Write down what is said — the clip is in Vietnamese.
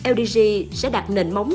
ldg sẽ đặt nền móng